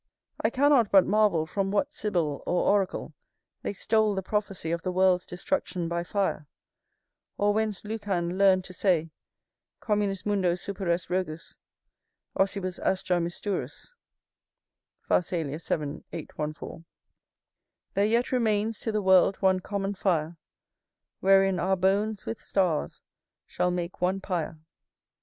I cannot but marvel from what sibyl or oracle they stole the prophecy of the world's destruction by fire, or whence Lucan learned to say "_Communis mundo superest rogus, ossibus astra Misturus _"[N] [N] Pharsalia, vii. 814. There yet remains to th' world one common fire, Wherein our bones with stars shall make one pyre.